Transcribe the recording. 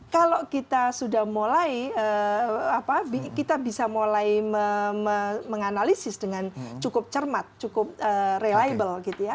kalau kita sudah mulai kita bisa mulai menganalisis dengan cukup cermat cukup reliable gitu ya